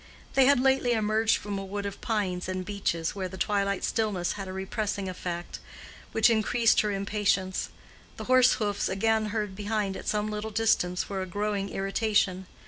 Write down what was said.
They had lately emerged from a wood of pines and beeches, where the twilight stillness had a repressing effect, which increased her impatience. The horse hoofs again heard behind at some little distance were a growing irritation.